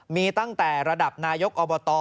มีตั้งแต่ระดับนายกอบต